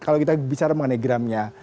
kalau kita bicara mengenai gramnya